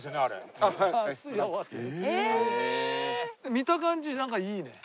見た感じなんかいいね。